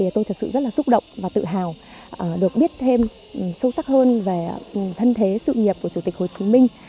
tôi thật sự rất là xúc động và tự hào được biết thêm sâu sắc hơn về thân thế sự nghiệp của chủ tịch hồ chí minh